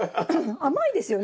甘いですよね。